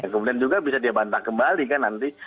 kemudian juga bisa dia bantah kembali kan nanti